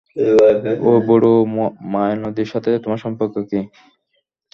ওই বুড়ো মায়ানদির সাথে তোমার সম্পর্ক কী?